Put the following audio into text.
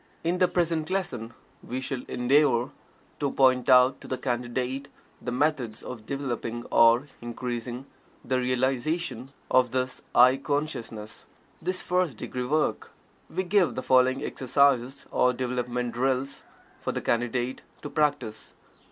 In the present lesson we shall endeavor to point out to the Candidate the methods of developing or increasing the realization of this "I" consciousness this first degree work. We give the following exercises or development drills for the Candidate to practice.